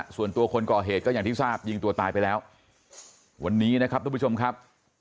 ส่วนตัวคนก่อเหตุก็อย่างที่ทราบยิงตัวตายไปแล้ววันนี้นะครับทุกผู้ชมครับ